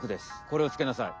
これをつけなさい。